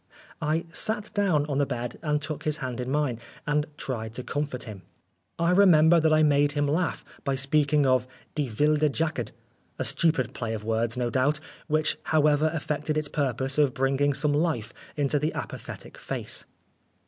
I sat down on the bed and took his hand in mine and tried to comfort him. I remember that I made him laugh by speaking of " Die Wilde Jagd," a stupid play of words, no doubt, which however effected its purpose of bringing some life into the apathetic face.